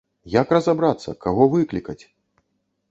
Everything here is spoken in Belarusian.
Як разабрацца, каго выклікаць?